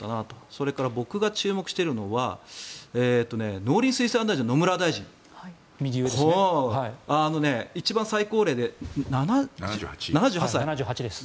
それから僕が注目しているのは農林水産大臣の野村大臣一番最高齢で７８歳。